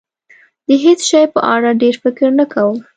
د هېڅ شي په اړه ډېر فکر نه کوم.